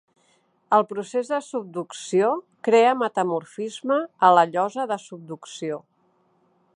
El procés de subducció crea metamorfisme a la llosa de subducció.